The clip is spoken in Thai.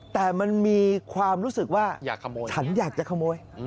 แต่มันมีความรู้สึกว่าฉันอยากจะขโมย